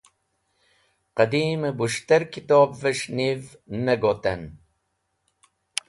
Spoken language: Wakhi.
Qẽdimẽ bũs̃htẽr kitobvẽs̃h niv ne gotẽn